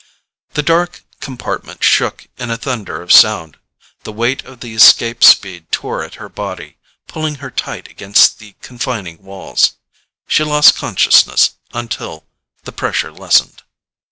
The dark compartment shook in a thunder of sound. The weight of the escape speed tore at her body, pulling her tight against the confining walls. She lost consciousness until the pressure lessened.